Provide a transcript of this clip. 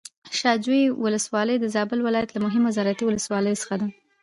شاه جوی ولسوالي د زابل ولايت له مهمو زراعتي ولسواليو څخه ده.